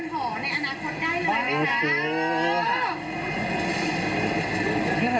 เป็นเรือนห่อในอนาคตได้เลยนะครับ